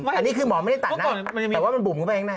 อันนี้คือหมอไม่ได้ตัดนะแต่ว่ามันบุ่มเข้าไปข้างใน